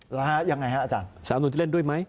หรอฮะยังไงฮะอาจารย์สารรัฐมนูลจะเล่นด้วยไหม